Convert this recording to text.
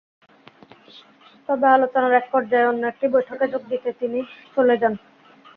তবে আলোচনার একপর্যায়ে অন্য একটি বৈঠকে যোগ দিতে তিনি চলে যান।